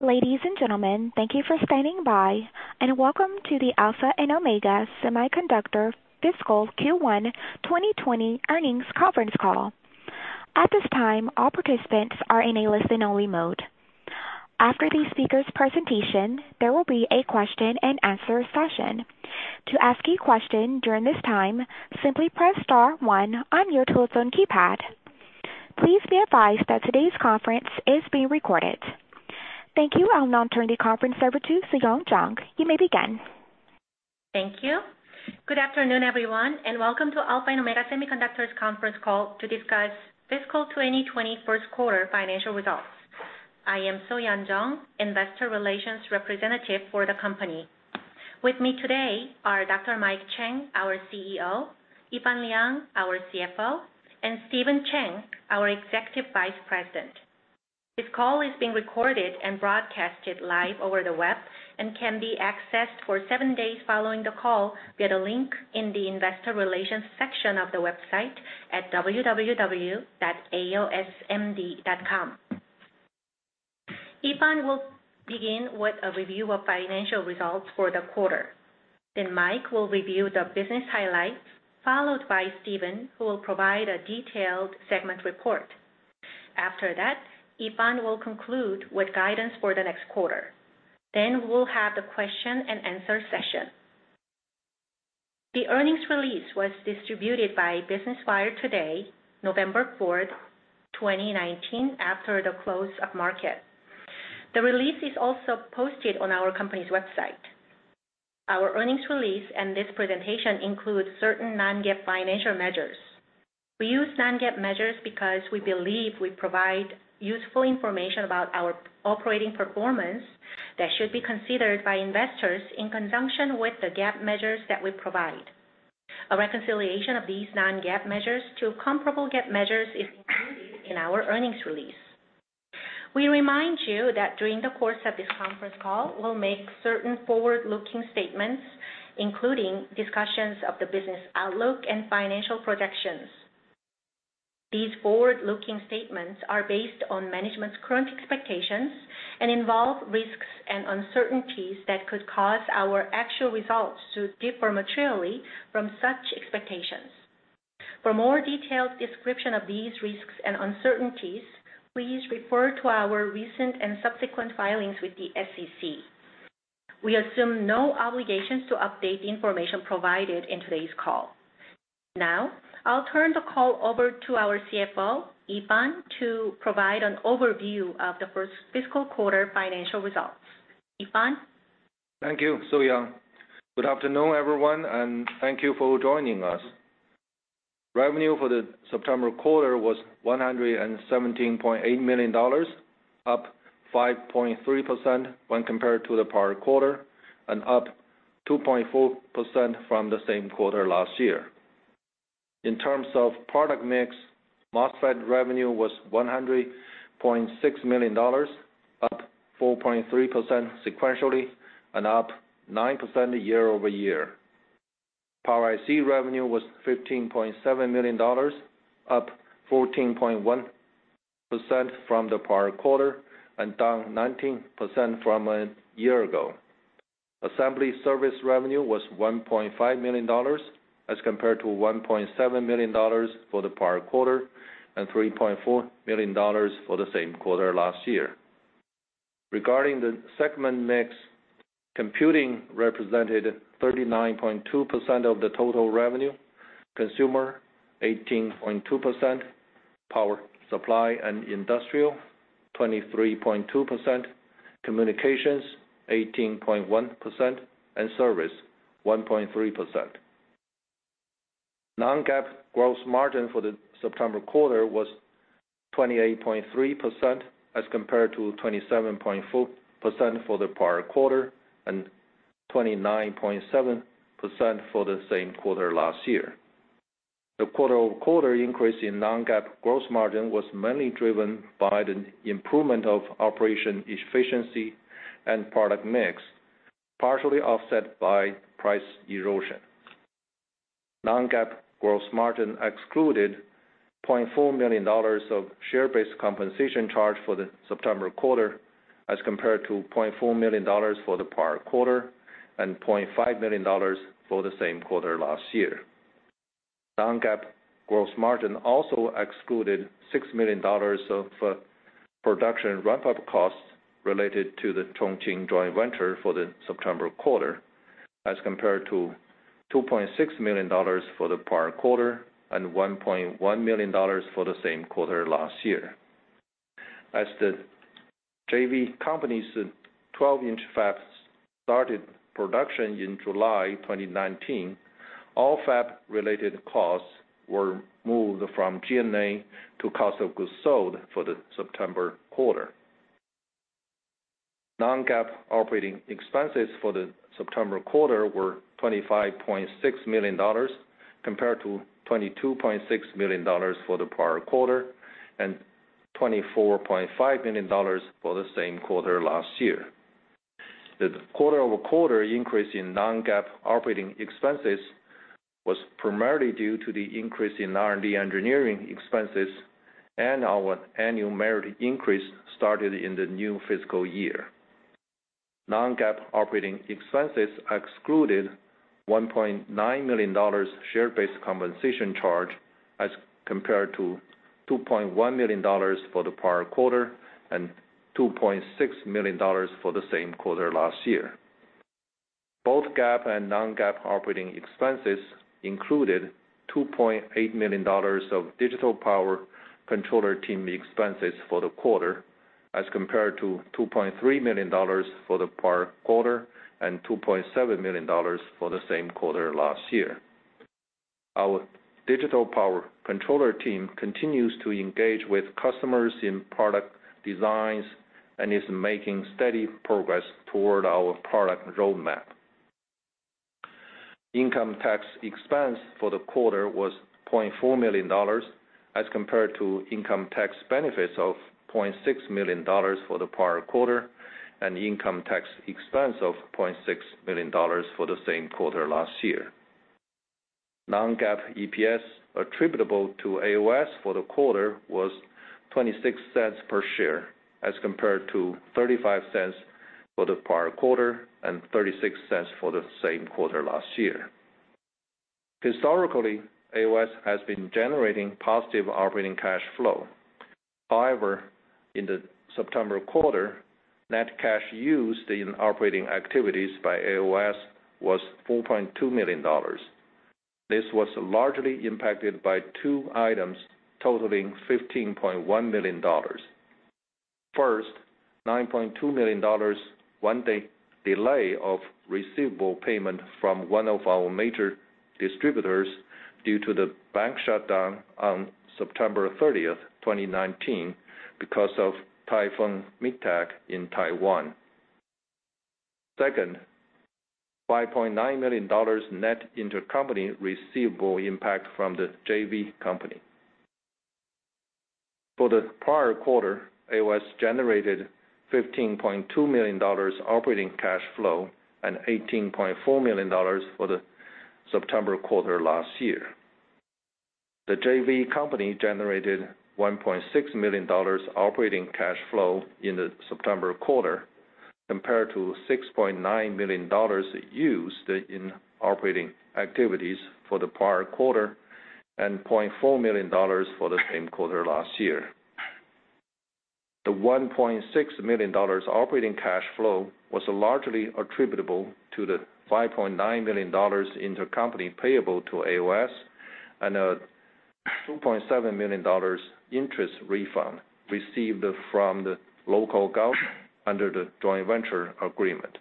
Ladies and gentlemen, thank you for standing by, and welcome to the Alpha and Omega Semiconductor fiscal Q1 2020 earnings conference call. At this time, all participants are in a listen-only mode. After the speakers' presentation, there will be a question and answer session. To ask a question during this time, simply press star 1 on your telephone keypad. Please be advised that today's conference is being recorded. Thank you. I'll now turn the conference over to So-Yeon Jeong. You may begin. Thank you. Good afternoon, everyone, and welcome to Alpha and Omega Semiconductor's conference call to discuss fiscal 2020 first quarter financial results. I am So-Yeon Jeong, Investor Relations representative for the company. With me today are Dr. Mike Chang, our CEO; Yifan Liang, our CFO; and Stephen Chang, our Executive Vice President. This call is being recorded and broadcasted live over the web and can be accessed for seven days following the call via the link in the Investor Relations section of the website at www.aosmd.com. Yifan will begin with a review of financial results for the quarter. Mike will review the business highlights, followed by Stephen, who will provide a detailed segment report. After that, Yifan will conclude with guidance for the next quarter. We will have the question and answer session. The earnings release was distributed by Business Wire today, November 4, 2019, after the close of market. The release is also posted on our company's website. Our earnings release and this presentation includes certain non-GAAP financial measures. We use non-GAAP measures because we believe we provide useful information about our operating performance that should be considered by investors in conjunction with the GAAP measures that we provide. A reconciliation of these non-GAAP measures to comparable GAAP measures is included in our earnings release. We remind you that during the course of this conference call, we'll make certain forward-looking statements, including discussions of the business outlook and financial projections. These forward-looking statements are based on management's current expectations and involve risks and uncertainties that could cause our actual results to differ materially from such expectations. For more detailed description of these risks and uncertainties, please refer to our recent and subsequent filings with the SEC. We assume no obligations to update the information provided in today's call. I'll turn the call over to our CFO, Yifan, to provide an overview of the first fiscal quarter financial results. Yifan? Thank you, So-Yeon. Good afternoon, everyone, and thank you for joining us. Revenue for the September quarter was $117.8 million, up 5.3% when compared to the prior quarter, and up 2.4% from the same quarter last year. In terms of product mix, MOSFET revenue was $100.6 million, up 4.3% sequentially and up 9% year-over-year. Power IC revenue was $15.7 million, up 14.1% from the prior quarter and down 19% from a year ago. Assembly service revenue was $1.5 million as compared to $1.7 million for the prior quarter and $3.4 million for the same quarter last year. Regarding the segment mix, computing represented 39.2% of the total revenue, consumer 18.2%, power supply and industrial 23.2%, communications 18.1%, and service 1.3%. Non-GAAP gross margin for the September quarter was 28.3% as compared to 27.4% for the prior quarter and 29.7% for the same quarter last year. The quarter-over-quarter increase in non-GAAP gross margin was mainly driven by the improvement of operation efficiency and product mix, partially offset by price erosion. Non-GAAP gross margin excluded $0.4 million of share-based compensation charge for the September quarter as compared to $0.4 million for the prior quarter and $0.5 million for the same quarter last year. Non-GAAP gross margin also excluded $6 million of production ramp-up costs related to the Chongqing joint venture for the September quarter as compared to $2.6 million for the prior quarter and $1.1 million for the same quarter last year. As the JV company's 12-inch fabs started production in July 2019, all fab-related costs were moved from G&A to cost of goods sold for the September quarter. Non-GAAP operating expenses for the September quarter were $25.6 million compared to $22.6 million for the prior quarter and $24.5 million for the same quarter last year. The quarter-over-quarter increase in non-GAAP operating expenses was primarily due to the increase in R&D engineering expenses and our annual merit increase started in the new fiscal year. Non-GAAP operating expenses excluded $1.9 million share-based compensation charge as compared to $2.1 million for the prior quarter and $2.6 million for the same quarter last year. Both GAAP and non-GAAP operating expenses included $2.8 million of digital power controller team expenses for the quarter as compared to $2.3 million for the prior quarter and $2.7 million for the same quarter last year. Our digital power controller team continues to engage with customers in product designs and is making steady progress toward our product roadmap. Income tax expense for the quarter was $0.4 million as compared to income tax benefits of $0.6 million for the prior quarter and income tax expense of $0.6 million for the same quarter last year. Non-GAAP EPS attributable to AOS for the quarter was $0.26 per share as compared to $0.35 for the prior quarter and $0.36 for the same quarter last year. Historically, AOS has been generating positive operating cash flow. In the September quarter, net cash used in operating activities by AOS was $4.2 million. This was largely impacted by two items totaling $15.1 million. First, $9.2 million, one delay of receivable payment from one of our major distributors due to the bank shutdown on September 30th, 2019 because of Typhoon Mitag in Taiwan. Second, $5.9 million net intercompany receivable impact from the JV company. For the prior quarter, AOS generated $15.2 million operating cash flow and $18.4 million for the September quarter last year. The JV company generated $1.6 million operating cash flow in the September quarter compared to $6.9 million used in operating activities for the prior quarter and $0.4 million for the same quarter last year. The $1.6 million operating cash flow was largely attributable to the $5.9 million intercompany payable to AOS and a $2.7 million interest refund received from the local government under the joint venture agreement.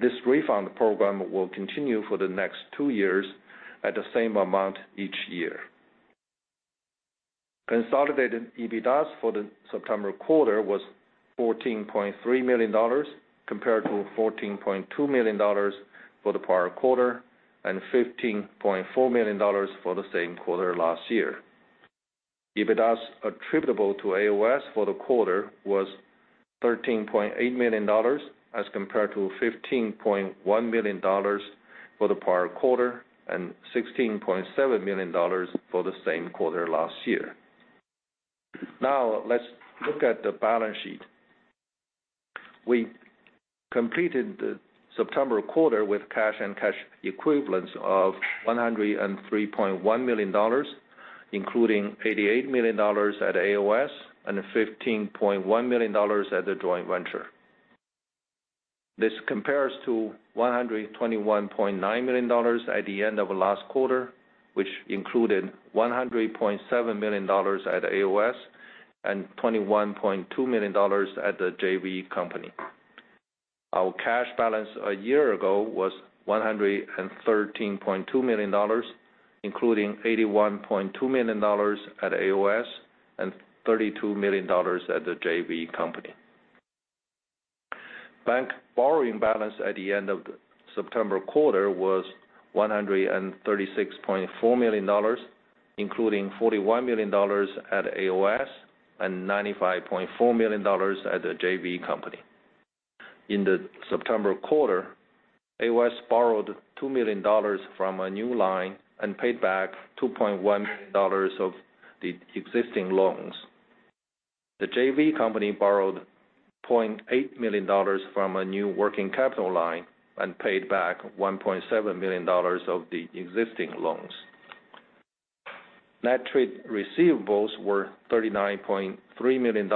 This refund program will continue for the next two years at the same amount each year. Consolidated EBITDA for the September quarter was $14.3 million compared to $14.2 million for the prior quarter and $15.4 million for the same quarter last year. EBITDA attributable to AOS for the quarter was $13.8 million as compared to $15.1 million for the prior quarter and $16.7 million for the same quarter last year. Let's look at the balance sheet. We completed the September quarter with cash and cash equivalents of $103.1 million, including $88 million at AOS and $15.1 million at the joint venture. This compares to $121.9 million at the end of last quarter, which included $100.7 million at AOS and $21.2 million at the JV company. Our cash balance a year ago was $113.2 million, including $81.2 million at AOS and $32 million at the JV company. Bank borrowing balance at the end of the September quarter was $136.4 million, including $41 million at AOS and $95.4 million at the JV company. In the September quarter, AOS borrowed $2 million from a new line and paid back $2.1 million of the existing loans. The JV company borrowed $0.8 million from a new working capital line and paid back $1.7 million of the existing loans. Net trade receivables were $39.3 million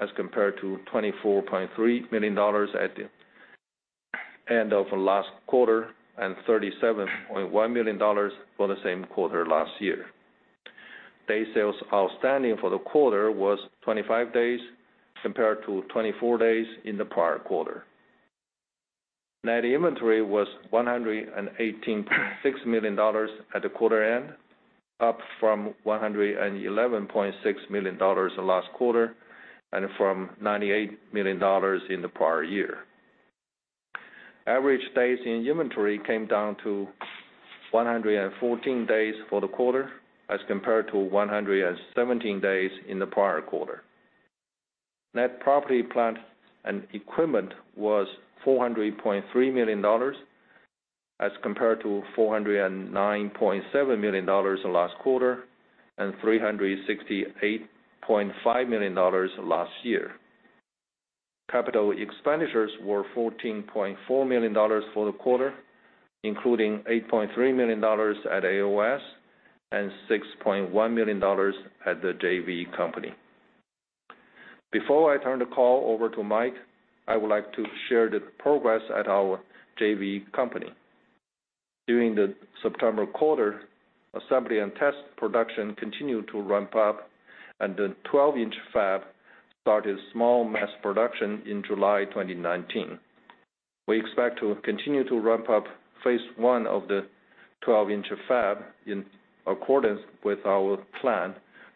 as compared to $24.3 million at the end of last quarter and $37.1 million for the same quarter last year. Day sales outstanding for the quarter was 25 days, compared to 24 days in the prior quarter. Net inventory was $118.6 million at the quarter end, up from $111.6 million last quarter and from $98 million in the prior year. Average days in inventory came down to 114 days for the quarter as compared to 117 days in the prior quarter. Net property plant and equipment was $400.3 million as compared to $409.7 million last quarter and $368.5 million last year. Capital expenditures were $14.4 million for the quarter, including $8.3 million at AOS and $6.1 million at the JV company. Before I turn the call over to Mike, I would like to share the progress at our JV company. During the September quarter, assembly and test production continued to ramp up, and the 12-inch fab started small mass production in July 2019. We expect to continue to ramp up phase 1 of the 12-inch fab in accordance with our plan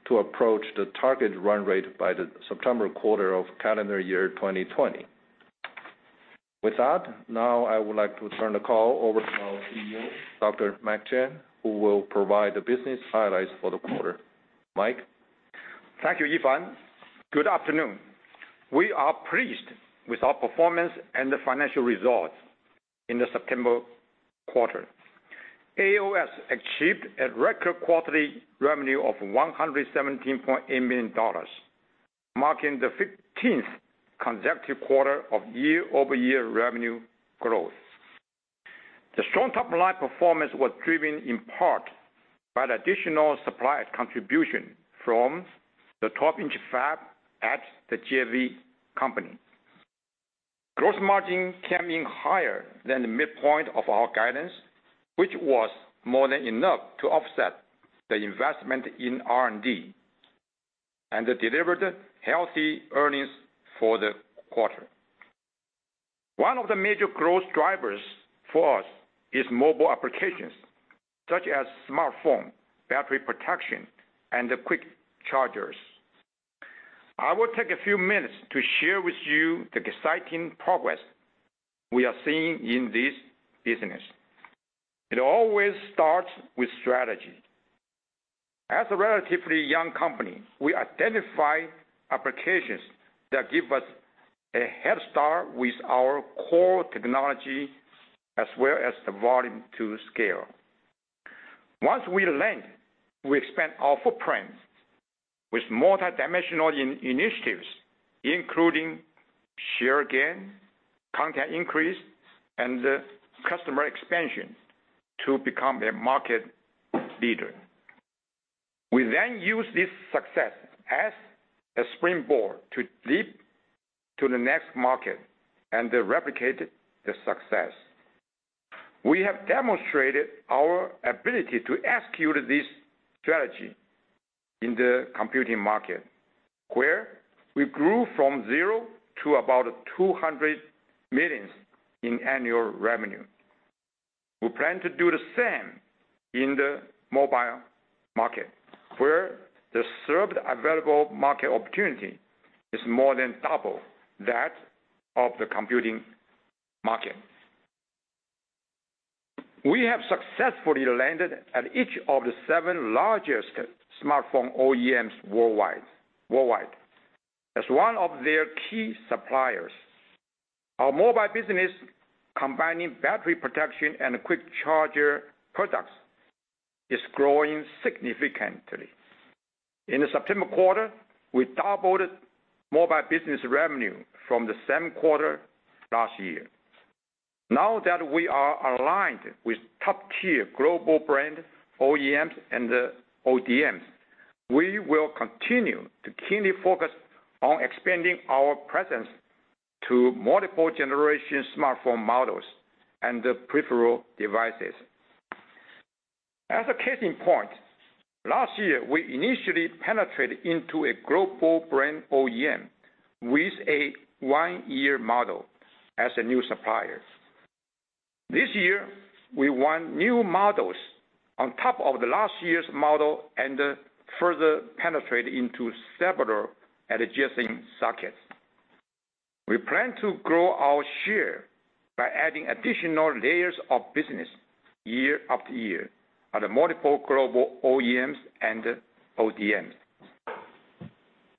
to approach the target run rate by the September quarter of calendar year 2020. With that, now I would like to turn the call over to our CEO, Dr. Mike Chang, who will provide the business highlights for the quarter. Mike? Thank you, Yifan. Good afternoon. We are pleased with our performance and the financial results in the September quarter. AOS achieved a record quarterly revenue of $117.8 million, marking the 15th consecutive quarter of year-over-year revenue growth. The strong top-line performance was driven in part by the additional supply contribution from the 12-inch fab at the JV company. Gross margin came in higher than the midpoint of our guidance, which was more than enough to offset the investment in R&D, and it delivered healthy earnings for the quarter. One of the major growth drivers for us is mobile applications, such as smartphone, battery protection, and the quick chargers. I will take a few minutes to share with you the exciting progress we are seeing in this business. It always starts with strategy. As a relatively young company, we identify applications that give us a headstart with our core technology, as well as the volume to scale. Once we land, we expand our footprint with multidimensional initiatives, including share gain, content increase, and customer expansion to become a market leader. We then use this success as a springboard to leap to the next market and replicate the success. We have demonstrated our ability to execute this strategy in the computing market, where we grew from zero to about $200 million in annual revenue. We plan to do the same in the mobile market, where the served available market opportunity is more than double that of the computing market. We have successfully landed at each of the seven largest smartphone OEMs worldwide. As one of their key suppliers, our mobile business, combining battery protection and quick charger products, is growing significantly. In the September quarter, we doubled mobile business revenue from the same quarter last year. Now that we are aligned with top-tier global brand OEMs and ODMs, we will continue to keenly focus on expanding our presence to multiple generation smartphone models and peripheral devices. As a case in point, last year, we initially penetrated into a global brand OEM with a 1-year model as a new supplier. This year, we won new models on top of the last year's model and further penetrate into several adjacent sockets. We plan to grow our share by adding additional layers of business year after year on the multiple global OEMs and ODMs.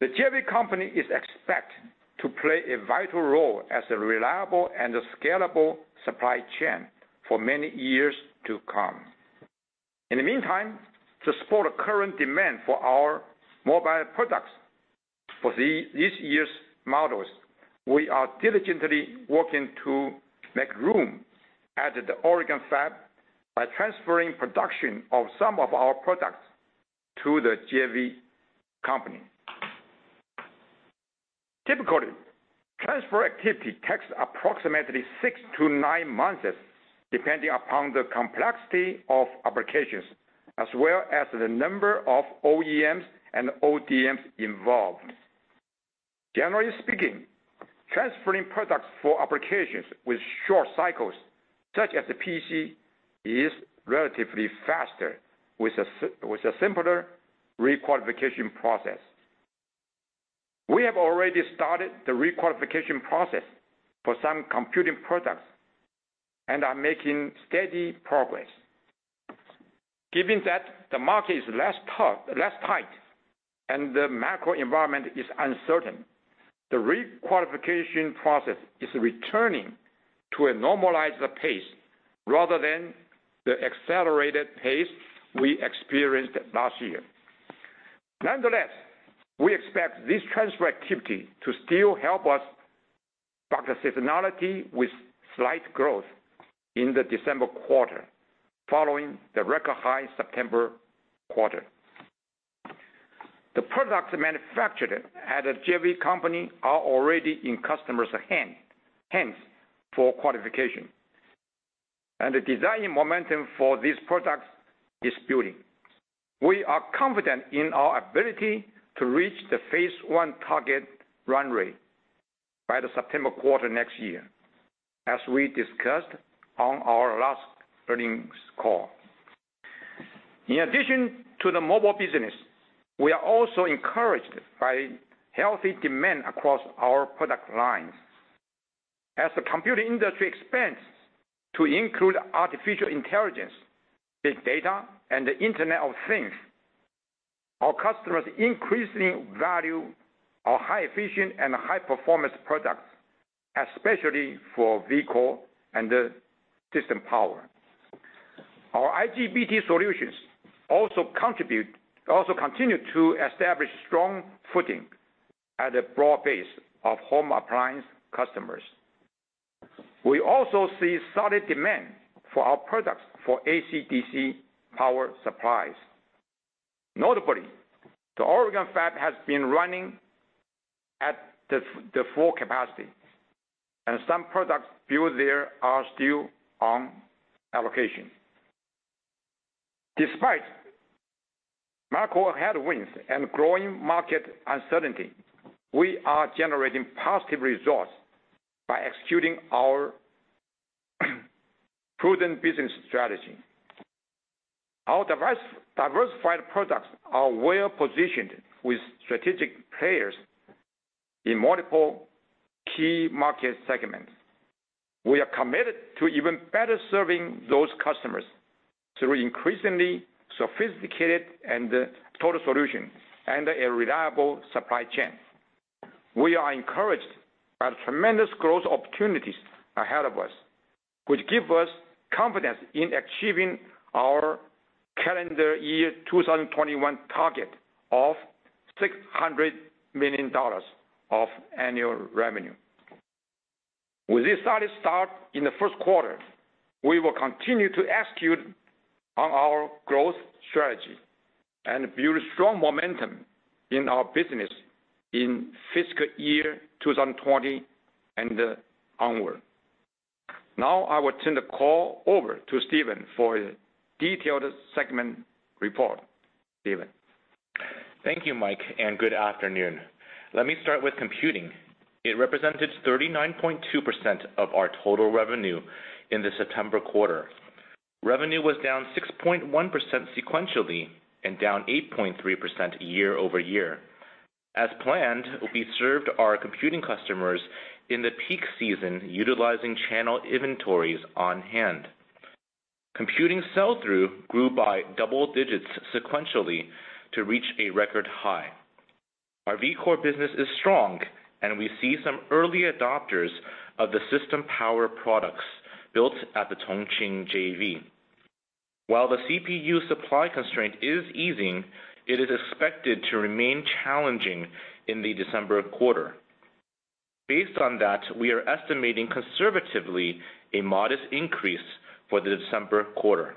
The JV company is expected to play a vital role as a reliable and scalable supply chain for many years to come. In the meantime, to support the current demand for our mobile products for this year's models, we are diligently working to make room at the Oregon fab by transferring production of some of our products to the JV company. Typically, transfer activity takes approximately six to nine months, depending upon the complexity of applications as well as the number of OEMs and ODMs involved. Generally speaking, transferring products for applications with short cycles, such as the PC, is relatively faster with a simpler requalification process. We have already started the re-qualification process for some computing products and are making steady progress. Given that the market is less tight and the macro environment is uncertain, the re-qualification process is returning to a normalized pace rather than the accelerated pace we experienced last year. Nonetheless, we expect this transfer activity to still help us track the seasonality with slight growth in the December quarter, following the record high September quarter. The products manufactured at a JV company are already in customers' hands for qualification, and the design momentum for these products is building. We are confident in our ability to reach the phase one target run rate by the September quarter next year, as we discussed on our last earnings call. In addition to the mobile business, we are also encouraged by healthy demand across our product lines. As the computing industry expands to include artificial intelligence, big data, and the Internet of Things, our customers increasingly value our high efficient and high performance products, especially for vCore and system power. Our IGBT solutions also continue to establish strong footing at a broad base of home appliance customers. We also see solid demand for our products for AC-DC power supplies. Notably, the Oregon fab has been running at the full capacity, and some products built there are still on allocation. Despite macro headwinds and growing market uncertainty, we are generating positive results by executing our prudent business strategy. Our diversified products are well positioned with strategic players in multiple key market segments. We are committed to even better serving those customers through increasingly sophisticated and total solution and a reliable supply chain. We are encouraged by the tremendous growth opportunities ahead of us, which give us confidence in achieving our calendar year 2021 target of $600 million of annual revenue. With this solid start in the first quarter, we will continue to execute on our growth strategy and build strong momentum in our business in fiscal year 2020 and onward. I will turn the call over to Stephen for a detailed segment report. Stephen? Thank you, Mike, and good afternoon. Let me start with computing. It represented 39.2% of our total revenue in the September quarter. Revenue was down 6.1% sequentially and down 8.3% year-over-year. As planned, we served our computing customers in the peak season, utilizing channel inventories on hand. Computing sell-through grew by double digits sequentially to reach a record high. Our vCore business is strong, and we see some early adopters of the system power products built at the Chongqing JV. While the CPU supply constraint is easing, it is expected to remain challenging in the December quarter. Based on that, we are estimating conservatively a modest increase for the December quarter.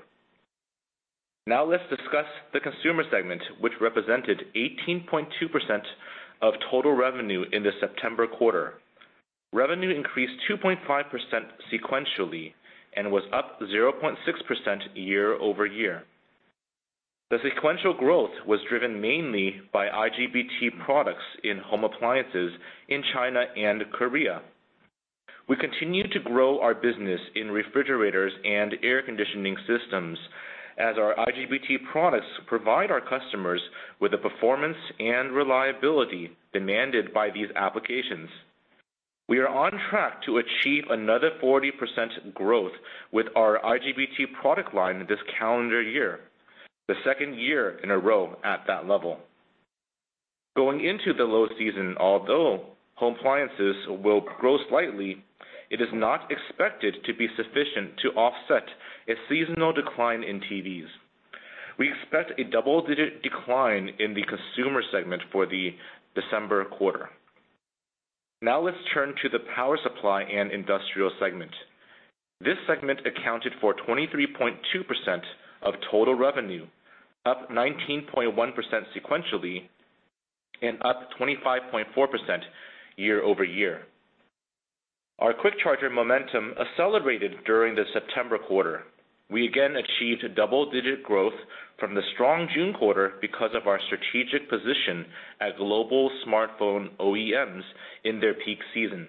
Let's discuss the consumer segment, which represented 18.2% of total revenue in the September quarter. Revenue increased 2.5% sequentially and was up 0.6% year-over-year. The sequential growth was driven mainly by IGBT products in home appliances in China and Korea. We continue to grow our business in refrigerators and air conditioning systems as our IGBT products provide our customers with the performance and reliability demanded by these applications. We are on track to achieve another 40% growth with our IGBT product line this calendar year, the second year in a row at that level. Going into the low season, although home appliances will grow slightly, it is not expected to be sufficient to offset a seasonal decline in TVs. We expect a double-digit decline in the consumer segment for the December quarter. Now let's turn to the power supply and industrial segment. This segment accounted for 23.2% of total revenue, up 19.1% sequentially, and up 25.4% year-over-year. Our quick charger momentum accelerated during the September quarter. We again achieved double-digit growth from the strong June quarter because of our strategic position at global smartphone OEMs in their peak season.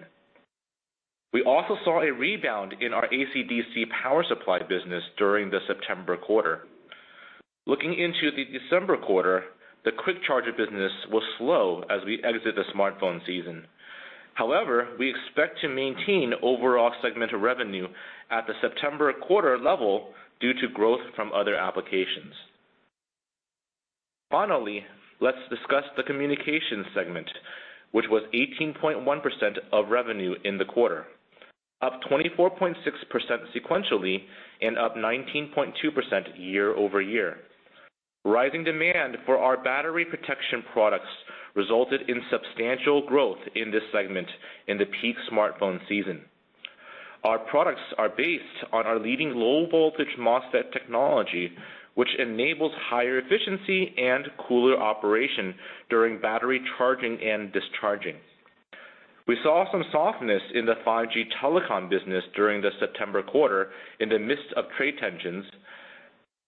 We also saw a rebound in our AC/DC power supply business during the September quarter. Looking into the December quarter, the quick charger business will slow as we exit the smartphone season. We expect to maintain overall segment revenue at the September quarter level due to growth from other applications. Let's discuss the communication segment, which was 18.1% of revenue in the quarter, up 24.6% sequentially and up 19.2% year-over-year. Rising demand for our battery protection products resulted in substantial growth in this segment in the peak smartphone season. Our products are based on our leading low voltage MOSFET technology, which enables higher efficiency and cooler operation during battery charging and discharging. We saw some softness in the 5G telecom business during the September quarter in the midst of trade tensions.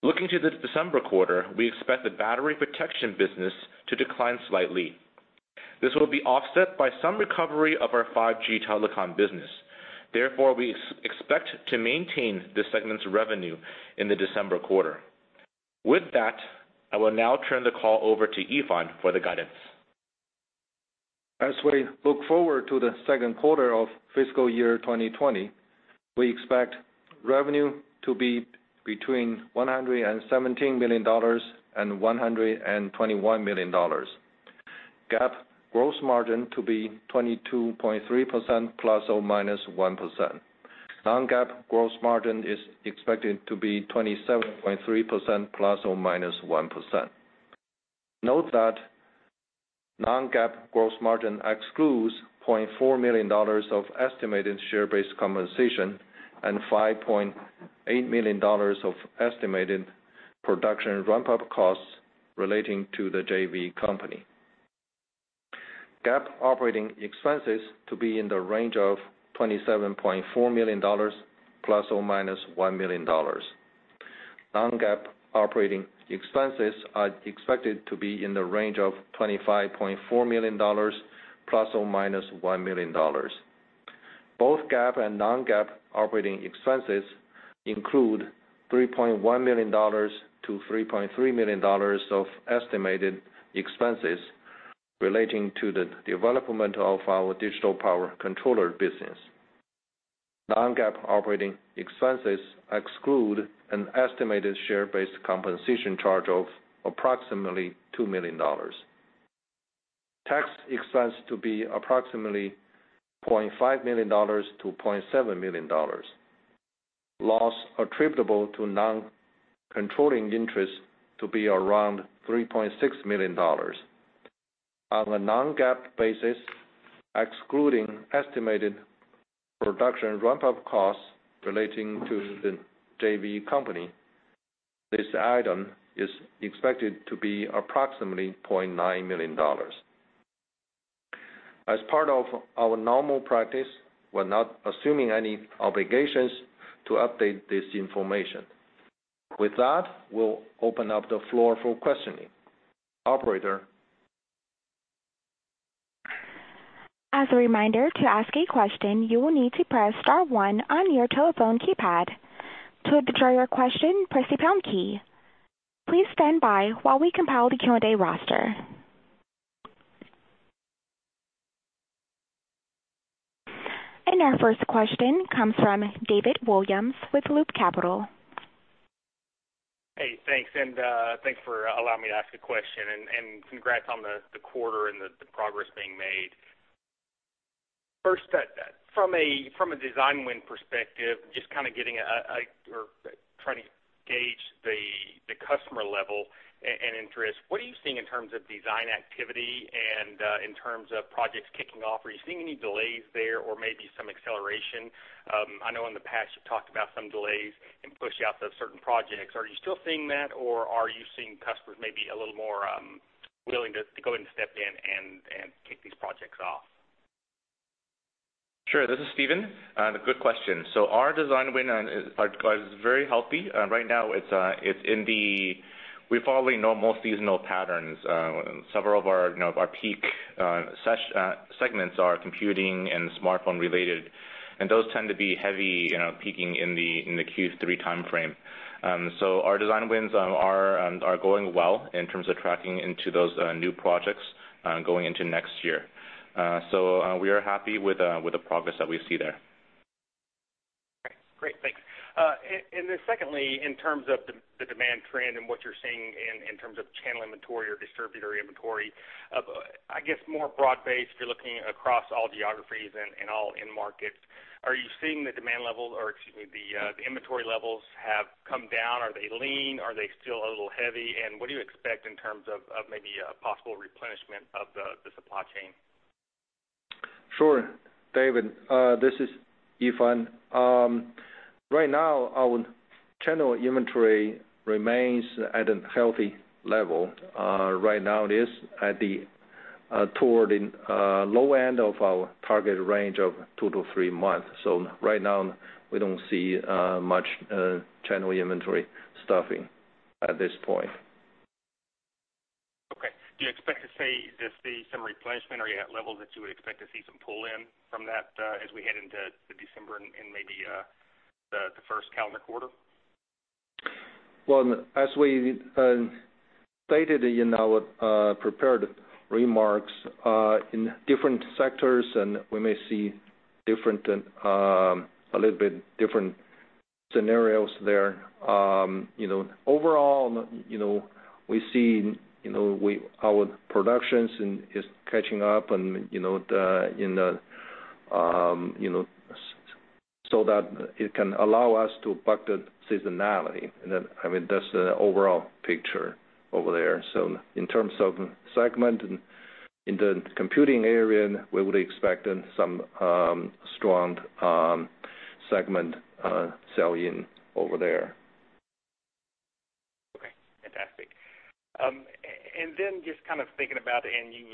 Looking to the December quarter, we expect the battery protection business to decline slightly. This will be offset by some recovery of our 5G telecom business. Therefore, we expect to maintain this segment's revenue in the December quarter. With that, I will now turn the call over to Yifan for the guidance. As we look forward to the second quarter of fiscal year 2020, we expect revenue to be between $117 million and $121 million. GAAP gross margin to be 22.3% ±1%. Non-GAAP gross margin is expected to be 27.3% ±1%. Note that non-GAAP gross margin excludes $24 million of estimated share-based compensation and $5.8 million of estimated production ramp-up costs relating to the JV company. GAAP operating expenses to be in the range of $27.4 million ±$1 million. Non-GAAP operating expenses are expected to be in the range of $25.4 million ±$1 million. Both GAAP and non-GAAP operating expenses include $3.1 million-$3.3 million of estimated expenses relating to the development of our digital power controller business. Non-GAAP operating expenses exclude an estimated share-based compensation charge of approximately $2 million. Tax expense to be approximately $20.5 million-$20.7 million. Loss attributable to non-controlling interests to be around $3.6 million. On a non-GAAP basis, excluding estimated production ramp-up costs relating to the JV company, this item is expected to be approximately $20.9 million. As part of our normal practice, we're not assuming any obligations to update this information. With that, we'll open up the floor for questioning. Operator? As a reminder, to ask a question, you will need to press star one on your telephone keypad. To withdraw your question, press the pound key. Please stand by while we compile the Q&A roster. Our first question comes from David Williams with Loop Capital. Hey, thanks. Thanks for allowing me to ask a question. Congrats on the quarter and the progress being made. First, from a design win perspective, just kind of trying to gauge the customer level and interest. What are you seeing in terms of design activity and in terms of projects kicking off? Are you seeing any delays there or maybe some acceleration? I know in the past you've talked about some delays in pushouts of certain projects. Are you still seeing that, or are you seeing customers maybe a little more willing to go ahead and step in and kick these projects off? Sure. This is Stephen. Good question. Our design win pipeline is very healthy. Right now, we follow normal seasonal patterns. Several of our peak segments are computing and smartphone related, and those tend to be heavy, peaking in the Q3 timeframe. Our design wins are going well in terms of tracking into those new projects going into next year. We are happy with the progress that we see there. Great, thanks. Secondly, in terms of the demand trend and what you're seeing in terms of channel inventory or distributor inventory, I guess, more broad-based, if you're looking across all geographies and all end markets, are you seeing the demand level, or excuse me, the inventory levels have come down? Are they lean? Are they still a little heavy? What do you expect in terms of maybe a possible replenishment of the supply chain? Sure, David. This is Yifan. Right now, our channel inventory remains at a healthy level. Right now, it is toward the low end of our target range of 2-3 months. Right now, we don't see much channel inventory stuffing at this point. May you see some replenishment? Are you at levels that you would expect to see some pull in from that as we head into December and maybe the first calendar quarter? Well, as we stated in our prepared remarks, in different sectors, and we may see a little bit different scenarios there. Overall, we see our productions is catching up so that it can allow us to buck the seasonality. That's the overall picture over there. In terms of segment, in the computing area, we would expect some strong segment sell-in over there. Fantastic. Then just thinking about, and you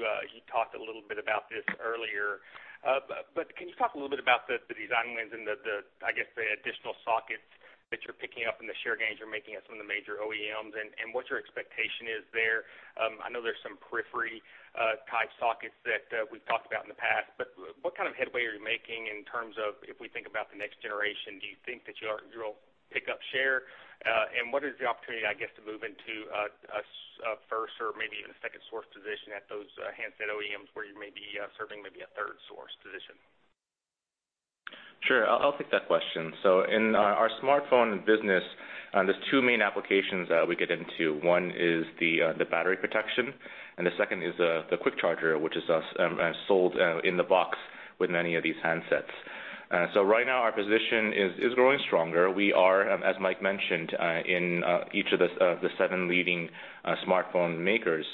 talked a little bit about this earlier. Can you talk a little bit about the design wins and the additional sockets that you're picking up and the share gains you're making at some of the major OEMs and what your expectation is there? I know there's some periphery-type sockets that we've talked about in the past, what kind of headway are you making in terms of if we think about the next generation, do you think that you'll pick up share? What is the opportunity, I guess, to move into a first or maybe even a second source position at those handset OEMs where you may be serving maybe a third source position? Sure. I'll take that question. In our smartphone business, there's two main applications that we get into. One is the battery protection, and the second is the quick charger, which is sold in the box with many of these handsets. Right now our position is growing stronger. We are, as Mike mentioned, in each of the seven leading smartphone makers.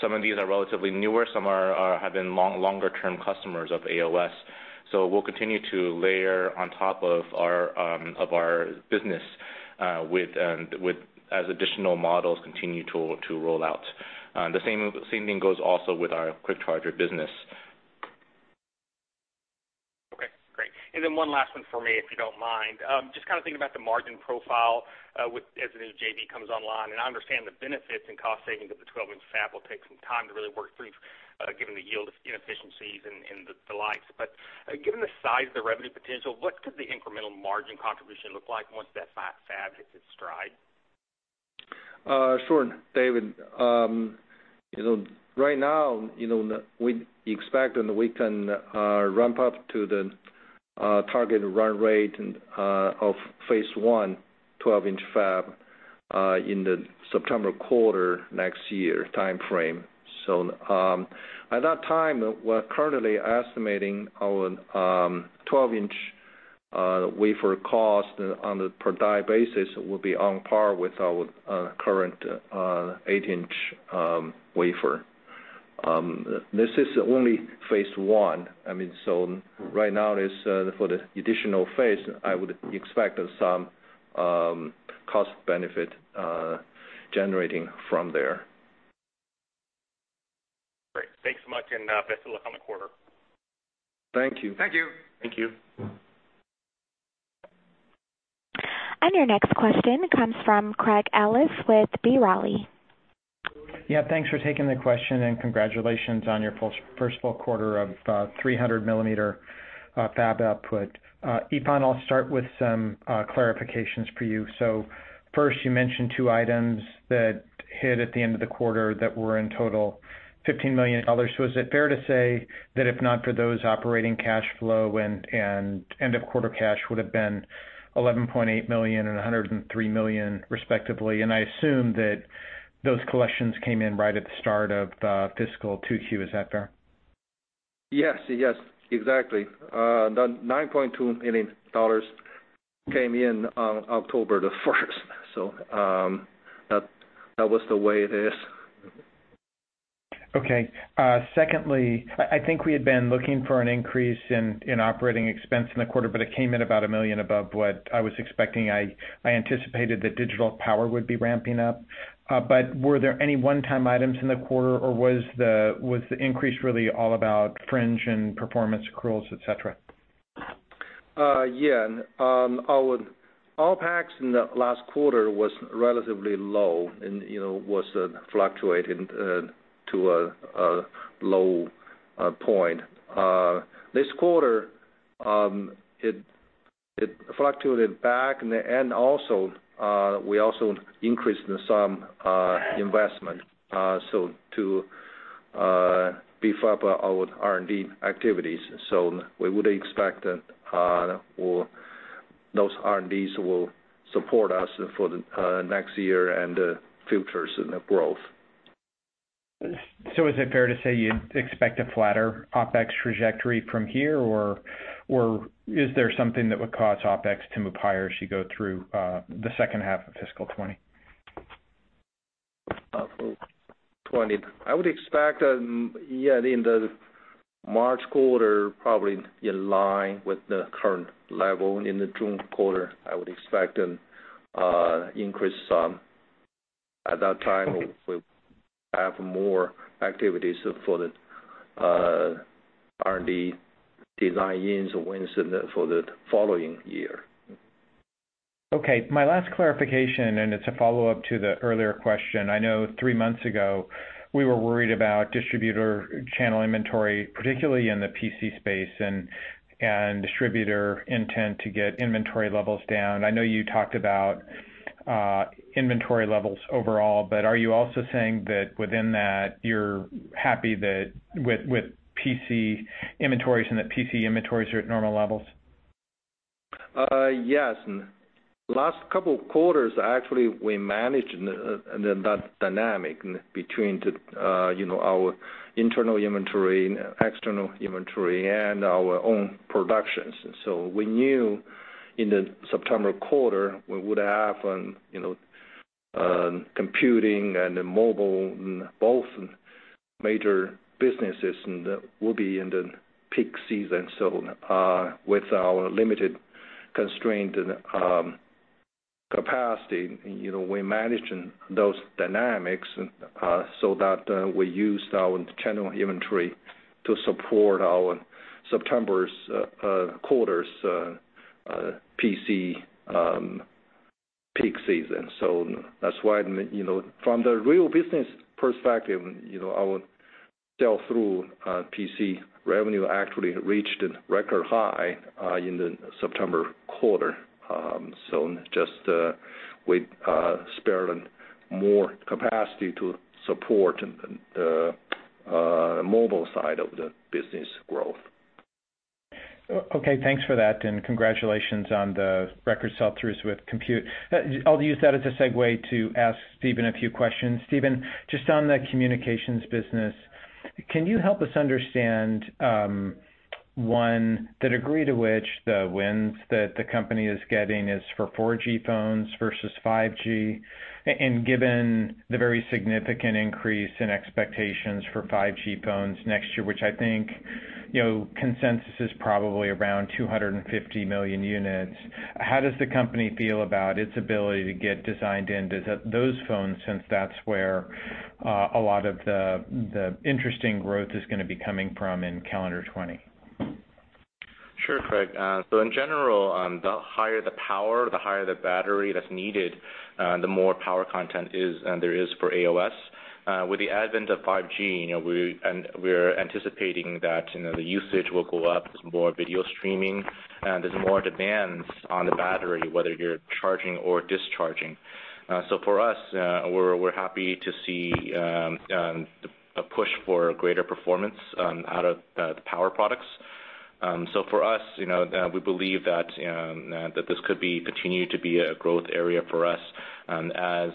Some of these are relatively newer. Some have been longer-term customers of AOS. We'll continue to layer on top of our business as additional models continue to roll out. The same thing goes also with our quick charger business. Okay, great. One last one for me, if you don't mind. Just thinking about the margin profile as the new JV comes online, and I understand the benefits and cost savings of the 12-inch fab will take some time to really work through, given the yield inefficiencies and the likes. Given the size of the revenue potential, what could the incremental margin contribution look like once that fab hits its stride? Sure, David. Right now, we expect, and we can ramp up to the target run rate of phase 1 12-inch fab in the September quarter next year timeframe. At that time, we're currently estimating our 12-inch wafer cost on the per die basis will be on par with our current 8-inch wafer. This is only phase 1. Right now, for the additional phase, I would expect some cost benefit generating from there. Great. Thanks so much, and best of luck on the quarter. Thank you. Thank you. Thank you. Your next question comes from Craig Ellis with B. Riley. Yeah, thanks for taking the question and congratulations on your first full quarter of 300-mm fab output. Yifan, I'll start with some clarifications for you. First, you mentioned two items that hit at the end of the quarter that were in total $15 million. Is it fair to say that if not for those operating cash flow and end of quarter cash would've been $11.8 million and $103 million respectively? I assume that those collections came in right at the start of fiscal 2Q. Is that fair? Yes. Exactly. The $9.2 million came in on October 1st. That was the way it is. Okay. Secondly, I think we had been looking for an increase in operating expense in the quarter, but it came in about $1 million above what I was expecting. I anticipated that digital power would be ramping up. Were there any one-time items in the quarter, or was the increase really all about fringe and performance accruals, et cetera? Yeah. Our OpEx in the last quarter was relatively low and was fluctuating to a low point. This quarter, it fluctuated back, and we also increased some investment to beef up our R&D activities. We would expect those R&Ds will support us for the next year and the futures in the growth. Is it fair to say you'd expect a flatter OpEx trajectory from here, or is there something that would cause OpEx to move higher as you go through the second half of fiscal 2020? I would expect, yeah, in the March quarter, probably in line with the current level. In the June quarter, I would expect an increase sum. Okay we'll have more activities for the R&D design wins for the following year. Okay, my last clarification. It's a follow-up to the earlier question. I know three months ago, we were worried about distributor channel inventory, particularly in the PC space, and distributor intent to get inventory levels down. I know you talked about inventory levels overall, but are you also saying that within that, you're happy that with PC inventories, and that PC inventories are at normal levels? Yes. Last couple of quarters, actually, we managed that dynamic between our internal inventory, external inventory, and our own productions. We knew in the September quarter we would have computing and mobile, both major businesses, and that will be in the peak season. With our limited constraint and capacity, we managed those dynamics so that we used our channel inventory to support our September quarter's PC peak season. That's why from the real business perspective, our sell-through PC revenue actually reached a record high in the September quarter. Just we spared more capacity to support the mobile side of the business growth. Okay. Thanks for that, congratulations on the record sell-throughs with compute. I'll use that as a segue to ask Stephen a few questions. Stephen, just on the communications business, can you help us understand, one, the degree to which the wins that the company is getting is for 4G phones versus 5G? Given the very significant increase in expectations for 5G phones next year, which I think consensus is probably around 250 million units, how does the company feel about its ability to get designed into those phones, since that's where a lot of the interesting growth is going to be coming from in calendar 2020? Sure, Craig. In general, the higher the power, the higher the battery that's needed, the more power content there is for AOS. With the advent of 5G, we're anticipating that the usage will go up. There's more video streaming, and there's more demands on the battery, whether you're charging or discharging. For us, we're happy to see a push for greater performance out of the power products. For us, we believe that this could continue to be a growth area for us as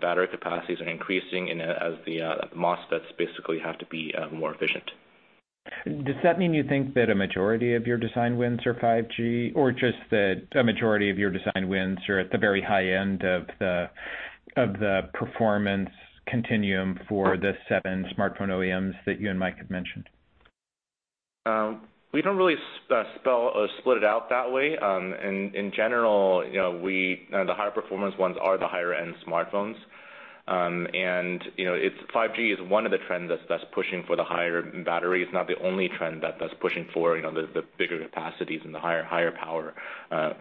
battery capacities are increasing and as the MOSFETs basically have to be more efficient. Does that mean you think that a majority of your design wins are 5G, or just that a majority of your design wins are at the very high end of the performance continuum for the seven smartphone OEMs that you and Mike have mentioned? We don't really split it out that way. In general, the higher performance ones are the higher-end smartphones. 5G is one of the trends that's pushing for the higher batteries, not the only trend that's pushing for the bigger capacities and the higher power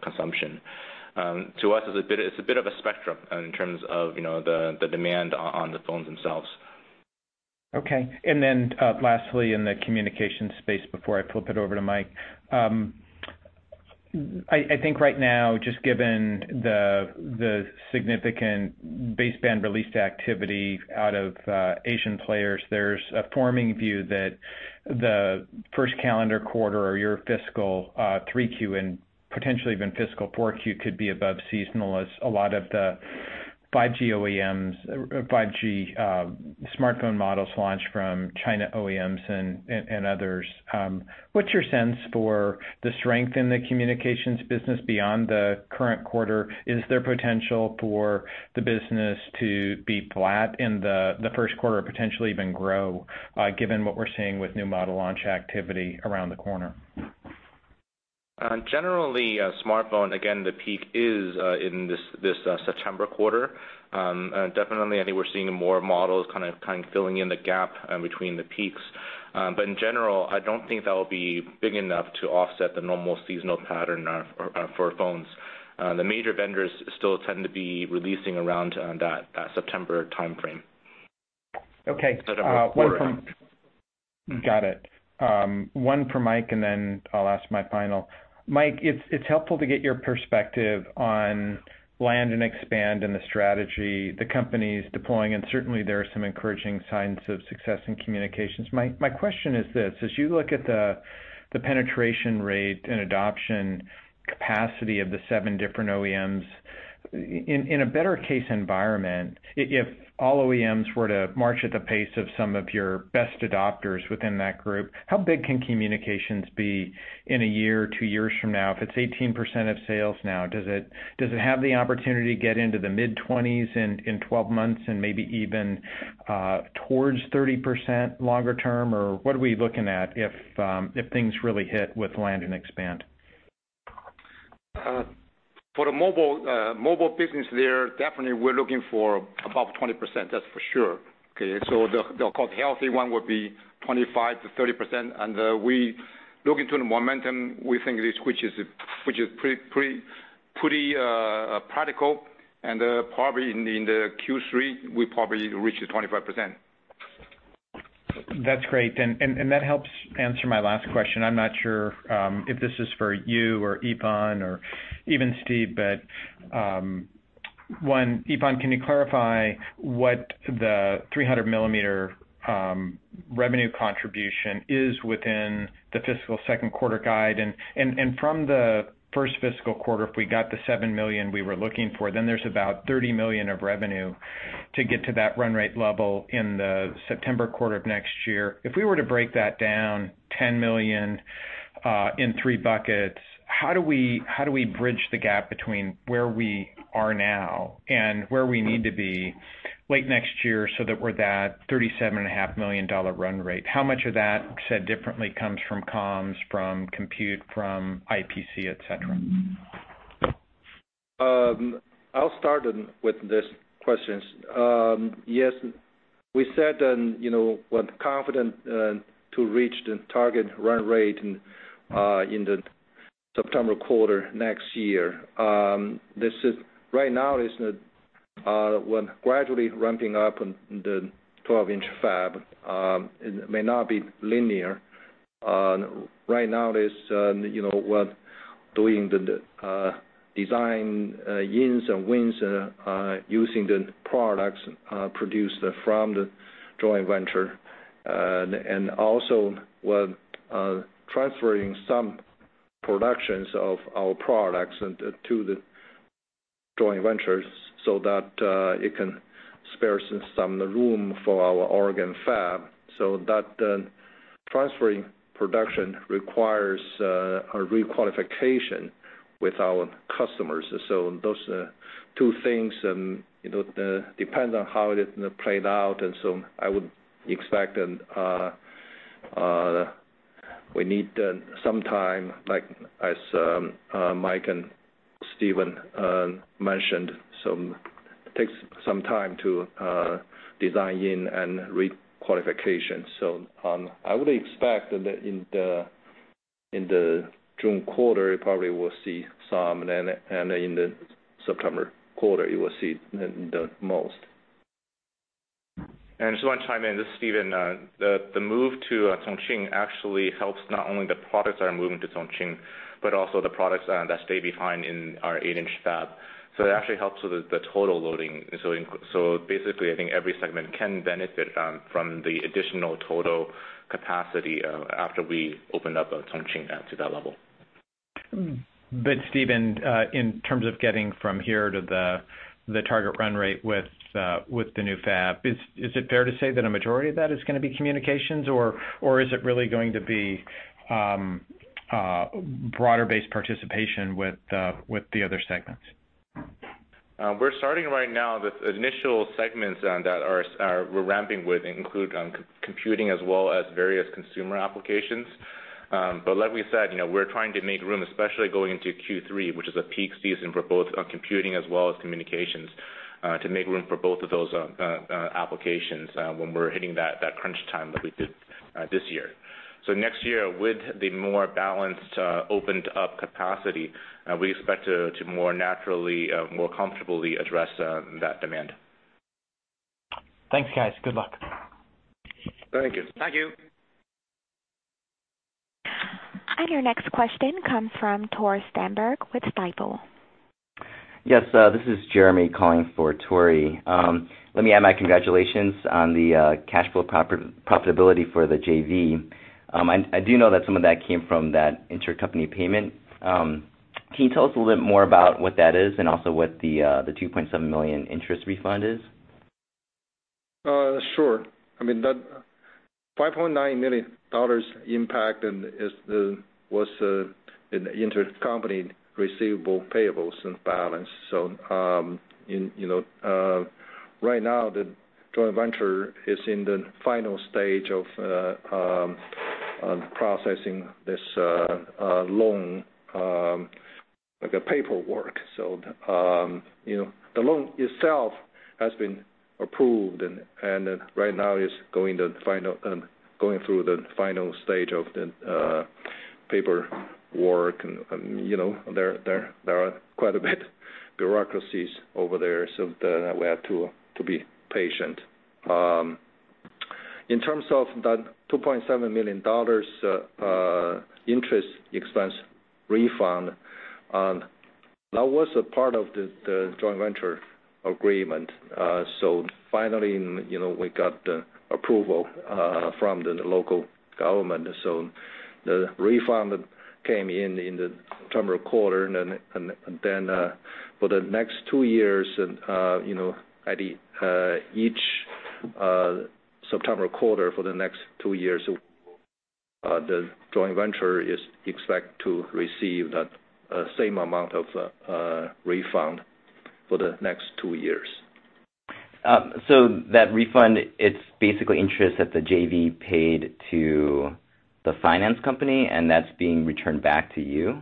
consumption. To us, it's a bit of a spectrum in terms of the demand on the phones themselves. Lastly, in the communication space, before I flip it over to Mike, I think right now, just given the significant baseband release activity out of Asian players, there's a forming view that the first calendar quarter or your fiscal 3Q and potentially even fiscal 4Q could be above seasonal as a lot of the 5G smartphone models launch from China OEMs and others. What's your sense for the strength in the communications business beyond the current quarter? Is there potential for the business to be flat in the first quarter or potentially even grow, given what we're seeing with new model launch activity around the corner? Generally, smartphone, again, the peak is in this September quarter. Definitely, I think we're seeing more models kind of filling in the gap between the peaks. In general, I don't think that will be big enough to offset the normal seasonal pattern for phones. The major vendors still tend to be releasing around that September timeframe. Okay. For the report. Got it. One for Mike, and then I'll ask my final. Mike, it's helpful to get your perspective on land and expand and the strategy the company's deploying, and certainly there are some encouraging signs of success in communications. My question is this: as you look at the penetration rate and adoption capacity of the seven different OEMs, in a better case environment, if all OEMs were to march at the pace of some of your best adopters within that group, how big can communications be in a year or two years from now? If it's 18% of sales now, does it have the opportunity to get into the mid-20s in 12 months and maybe even towards 30% longer term? What are we looking at if things really hit with land and expand? For the mobile business there, definitely we're looking for above 20%, that's for sure, okay? The healthy one would be 25%-30%. We look into the momentum, we think this, which is pretty Pretty practical and probably in the Q3, we probably reach 25%. That's great. That helps answer my last question. I'm not sure if this is for you or Yifan or even Steve, but one, Yifan, can you clarify what the 300 millimeter revenue contribution is within the fiscal second quarter guide? From the first fiscal quarter, if we got the $7 million we were looking for, then there's about $30 million of revenue to get to that run rate level in the September quarter of next year. If we were to break that down $10 million in three buckets, how do we bridge the gap between where we are now and where we need to be late next year so that we're that $37.5 million run rate? How much of that, said differently, comes from comms, from compute, from IPC, et cetera? I'll start with these questions. Yes, we said we're confident to reach the target run rate in the September quarter next year. Right now, we're gradually ramping up in the 12-inch fab. It may not be linear. Right now, we're doing the design-ins and wins using the products produced from the joint venture. We're transferring some productions of our products to the joint ventures so that it can spare some room for our Oregon fab. That transferring production requires a re-qualification with our customers. Those two things depend on how it played out. I would expect we need some time like as Mike and Stephen mentioned, it takes some time to design in and re-qualification. I would expect that in the June quarter, you probably will see some, and in the September quarter, you will see the most. I just want to chime in. This is Stephen. The move to Chongqing actually helps not only the products that are moving to Chongqing, but also the products that stay behind in our eight-inch fab. It actually helps with the total loading. Basically, I think every segment can benefit from the additional total capacity after we open up Chongqing to that level. Stephen, in terms of getting from here to the target run rate with the new fab, is it fair to say that a majority of that is going to be communications, or is it really going to be broader-based participation with the other segments? We're starting right now with initial segments that we're ramping with include computing as well as various consumer applications. Like we said, we're trying to make room, especially going into Q3, which is a peak season for both computing as well as communications, to make room for both of those applications when we're hitting that crunch time like we did this year. Next year, with the more balanced, opened-up capacity, we expect to more naturally, more comfortably address that demand. Thanks, guys. Good luck. Thank you. Thank you. Your next question comes from Tore Svanberg with Stifel. Yes. This is Jeremy calling for Tore. Let me add my congratulations on the cash flow profitability for the JV. I do know that some of that came from that intercompany payment. Can you tell us a little bit more about what that is and also what the $2.7 million interest refund is? Sure. I mean, that $5.9 million impact was in the intercompany receivable payables balance. Right now the joint venture is in the final stage of processing this loan, like a paperwork. The loan itself has been approved, and right now is going through the final stage of the paperwork. There are quite a few bureaucracies over there, so we have to be patient. In terms of that $2.7 million interest expense refund, that was a part of the joint venture agreement. Finally, we got the approval from the local government. The refund came in the September quarter. For the next two years, at each September quarter for the next two years, the joint venture is expected to receive that same amount of refund for the next two years. That refund, it's basically interest that the JV paid to the finance company, and that's being returned back to you?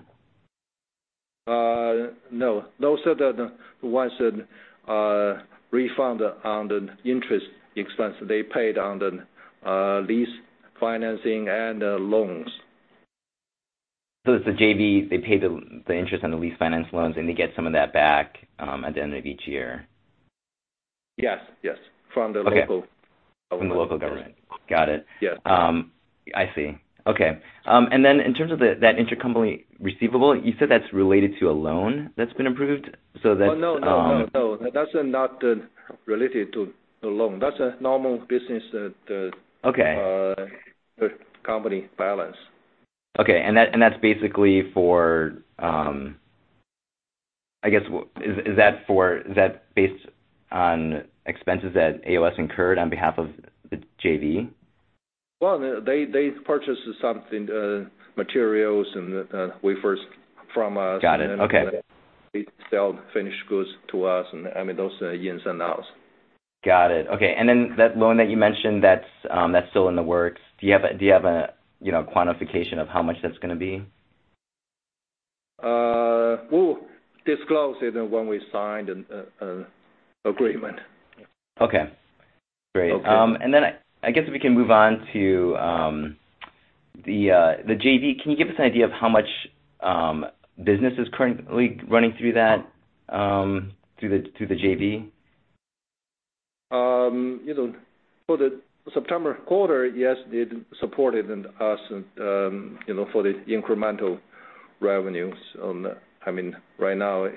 No. Those are the ones that are refunded on the interest expense they paid on the lease financing and loans. It's the JV, they pay the interest on the lease finance loans, and they get some of that back at the end of each year. Yes. From the local government. From the local government. Got it. Yes. I see. Okay. In terms of that intercompany receivable, you said that's related to a loan that's been approved? No. That's not related to the loan. That's a normal business- Okay company balance. Okay. That's basically for I guess, is that based on expenses that AOS incurred on behalf of the JV? Well, they purchased some materials and wafers from us. Got it. Okay. They sell finished goods to us, I mean, those are ins and outs. Got it. Okay. That loan that you mentioned that's still in the works, do you have a quantification of how much that's going to be? We'll disclose it when we sign an agreement. Okay, great. Okay. I guess we can move on to the JV. Can you give us an idea of how much business is currently running through that, through the JV? For the September quarter, yes, it supported us for the incremental revenues. I mean, right now,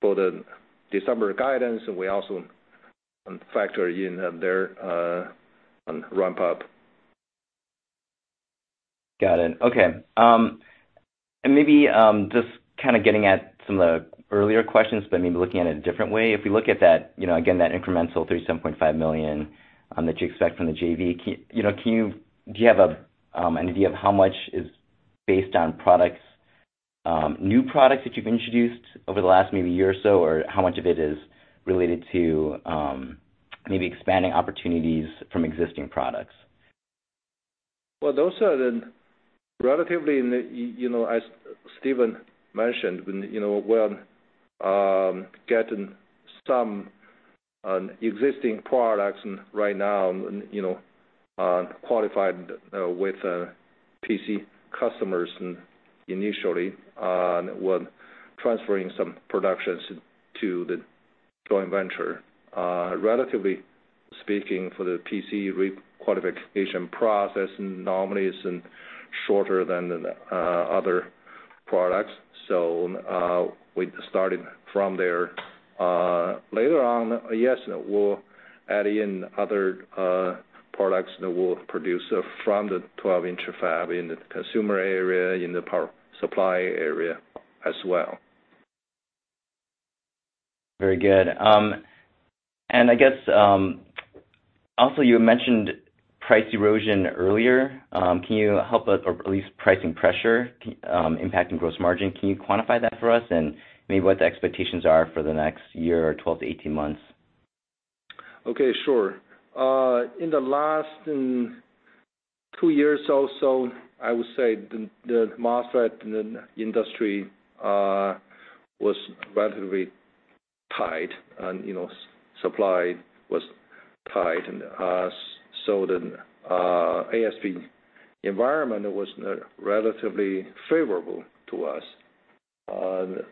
for the December guidance, we also factor in their ramp-up. Got it. Okay. Maybe, just kind of getting at some of the earlier questions, but maybe looking at it a different way. If we look at that, again, that incremental $37.5 million that you expect from the JV, do you have an idea of how much is based on new products that you've introduced over the last maybe year or so? How much of it is related to maybe expanding opportunities from existing products? Well, those are relatively, as Stephen mentioned, we're getting some existing products right now, qualified with PC customers initially. We're transferring some productions to the joint venture. Relatively speaking, for the PC requalification process, normally it's shorter than the other products. We started from there. Later on, yes, we'll add in other products that we'll produce from the 12-inch fab in the consumer area, in the power supply area as well. Very good. I guess, also you mentioned price erosion earlier. Can you help us, or at least pricing pressure impacting gross margin? Can you quantify that for us, and maybe what the expectations are for the next year or 12 to 18 months? Okay, sure. In the last two years or so, I would say the MOSFET industry was relatively tight and supply was tight. The ASP environment was relatively favorable to us.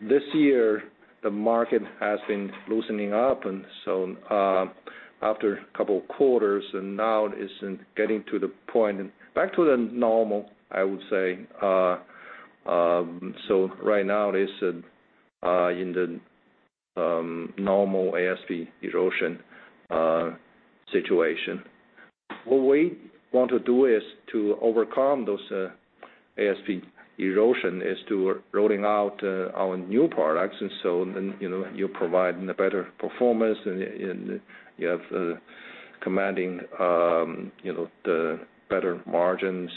This year, the market has been loosening up, after a couple of quarters, it isn't getting to the point back to the normal, I would say. Right now it is in the normal ASP erosion situation. What we want to do is to overcome those ASP erosion, is to rolling out our new products. You're providing a better performance, and you have commanding the better margin,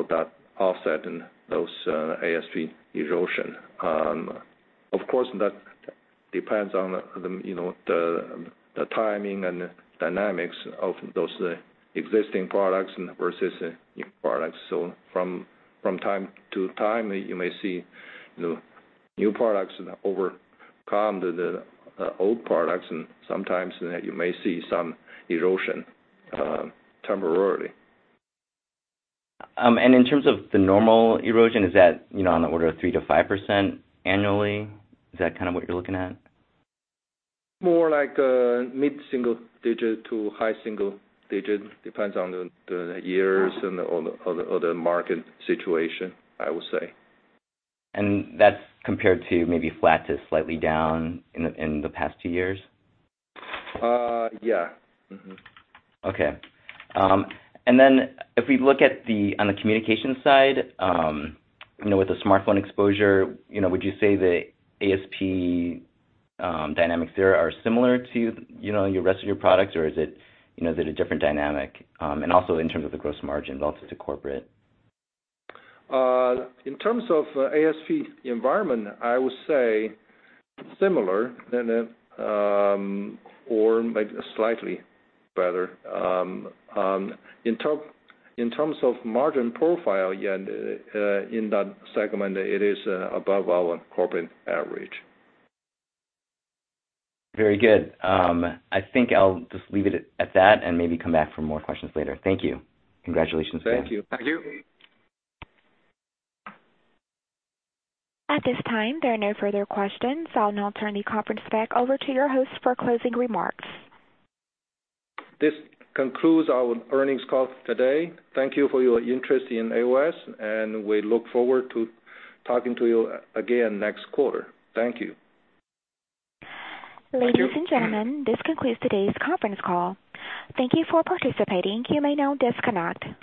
that offsetting those ASP erosion. Of course, that depends on the timing and the dynamics of those existing products versus new products. From time to time, you may see new products overcome the old products, and sometimes you may see some erosion temporarily. In terms of the normal erosion, is that on the order of 3%-5% annually? Is that kind of what you're looking at? More like mid-single digit to high single digit. Depends on the years and on the market situation, I would say. That's compared to maybe flat to slightly down in the past two years? Yeah. Mm-hmm. Okay. If we look on the communication side, with the smartphone exposure, would you say the ASP dynamics there are similar to your rest of your products, or is it a different dynamic? Also in terms of the gross margin, relative to corporate? In terms of ASP environment, I would say similar than it, or maybe slightly better. In terms of margin profile, yeah, in that segment, it is above our corporate average. Very good. I think I'll just leave it at that and maybe come back for more questions later. Thank you. Congratulations. Thank you. Thank you. At this time, there are no further questions. I'll now turn the conference back over to your host for closing remarks. This concludes our earnings call today. Thank you for your interest in AOS, and we look forward to talking to you again next quarter. Thank you. Ladies and gentlemen, this concludes today's conference call. Thank you for participating. You may now disconnect.